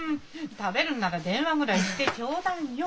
食べるんなら電話ぐらいしてちょうだいよ！